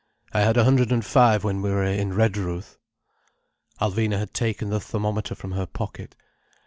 I had a hundred and five when we were in Redruth." Alvina had taken the thermometer from her pocket.